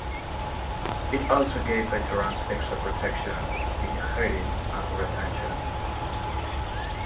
It also gave veterans extra protection in hiring and retention.